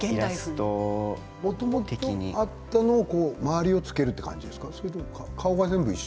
もともとあったものに周りをつけるというものですか？